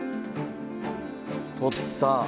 取った。